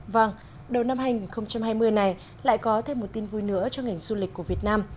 vâng đầu năm hai nghìn hai mươi này lại có thêm một tin vui nữa cho ngành du lịch của việt nam